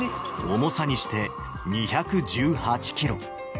重さにして２１８キロ。